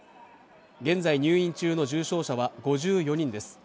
現在入院中の重症者は５４人です。